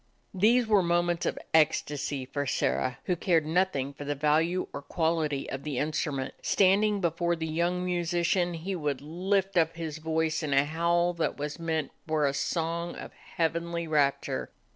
These were moments of ecstasy for Sirrah, who cared nothing for the value or quality of the instrument. Standing before the young musician he would lift up his voice in a howl that was meant for a song of heav enly rapture.